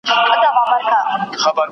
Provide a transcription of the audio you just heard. که فکر وکړو نو حل نه ورکيږي.